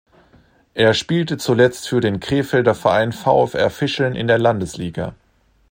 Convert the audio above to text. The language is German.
Er spielte zuletzt für den Krefelder Verein VfR Fischeln in der Landesliga.